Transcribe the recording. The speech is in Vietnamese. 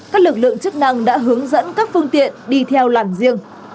các lực lượng chức năng đã hướng dẫn các phương tiện đi theo làn riêng